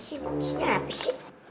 isinya apa sih